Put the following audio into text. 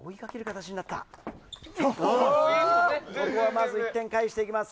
まず１点返していきます。